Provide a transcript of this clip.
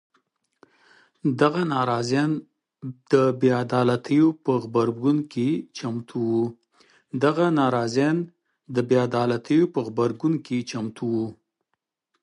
دغه ناراضیان بې عدالیتو په غبرګون کې چمتو وو.